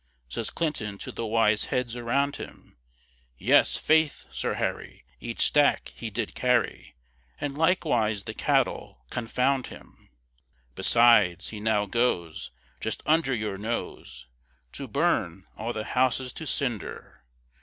Says Clinton to the wise heads around him: "Yes, faith, Sir Harry, Each stack he did carry, And likewise the cattle confound him! "Besides, he now goes, Just under your nose, To burn all the houses to cinder."